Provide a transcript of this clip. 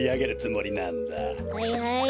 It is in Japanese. はいはい。